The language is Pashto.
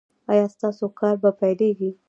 ایا ستاسو کار به پیلیږي؟